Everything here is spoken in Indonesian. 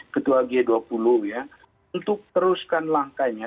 ketua g dua puluh ya untuk teruskan langkahnya